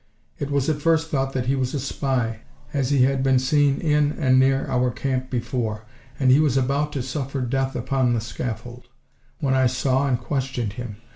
It was at first thought that he was a spy, as he had been seen in and near our camp before, and he was about to suffer death upon the scaffold, when I saw and questioned him.